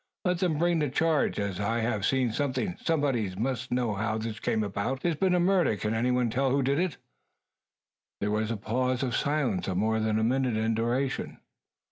Let them bring the charge, as have seen something. Somebody must know how this came about. There's been a murder. Can anyone tell who did it?" There was a pause of silence of more than a minute in duration.